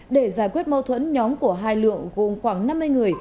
để giải quyết mâu thuẫn nhóm của hai lượng gồm khoảng năm mươi người